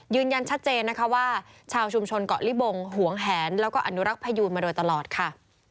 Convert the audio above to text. ยืนยันชัดเจนนะคะว่าชาวชุมชนเกาะลิบงหวงแหนแล้วก็อนุรักษ์พยูนมาโดยตลอดค่ะ